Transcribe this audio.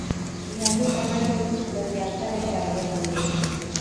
يعنې د نړۍ د زياتره شاعرۍ غوندې